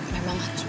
memang harus putus